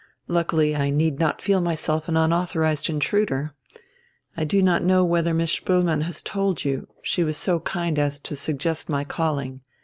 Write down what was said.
Luckily I need not feel myself an unauthorized intruder. I do not know whether Miss Spoelmann has told you.... She was so kind as to suggest my calling.